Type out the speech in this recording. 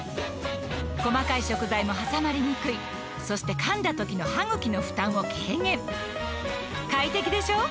細かい食材も挟まりにくいそして噛んだ時の歯ぐきの負担を軽減快適でしょ？